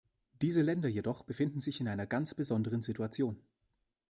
Diese Länder jedoch befinden sich in einer ganz besonderen Situation.